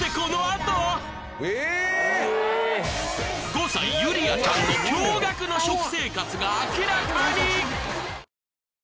５歳友梨亜ちゃんの驚愕の食生活が明らかに！